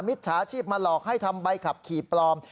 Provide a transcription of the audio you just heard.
จฉาชีพมาหลอกให้ทำใบขับขี่ปลอม